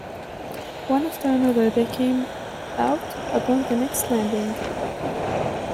One after another they came out upon the next landing.